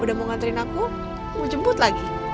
udah mau nganterin aku mau jemput lagi